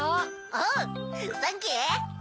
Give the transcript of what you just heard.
おうサンキュー。